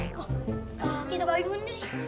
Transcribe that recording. kita balik dulu nih